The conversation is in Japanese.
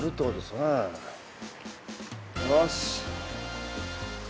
よし。